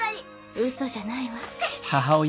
ウソじゃないわ。